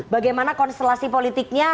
bagaimana konstelasi politiknya